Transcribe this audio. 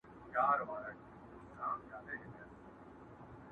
o ړوند خپله همسا يو وار ورکوي٫